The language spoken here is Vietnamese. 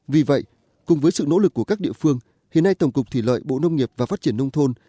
vì vậy cùng với sự nỗ lực của các địa phương hiện nay tổng cục thủy lợi bộ nông nghiệp và phát triển nông thôn